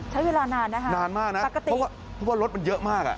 ใช้เวลานานนะครับปกตินานมากนะเพราะว่ารถมันเยอะมาก